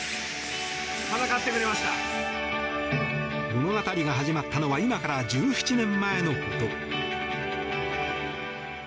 物語が始まったのは今から１７年前のこと。